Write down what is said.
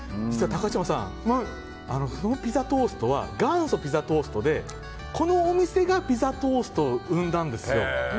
高嶋さんそのピザトーストは元祖ピザトーストでこのお店がピザトーストを生んだんですよ。